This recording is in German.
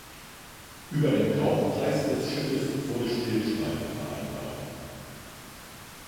Über den Kaufpreis des Schiffes wurde Stillschweigen vereinbart.